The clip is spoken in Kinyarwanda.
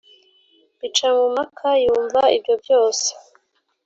bicamumpaka yumva ibyo byose